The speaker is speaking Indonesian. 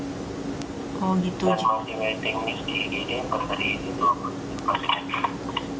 masih waiting list di dki jakarta di dua puluh tiga pasien